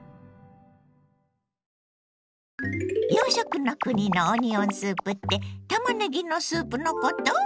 洋食の国のオニオンスープってたまねぎのスープのこと？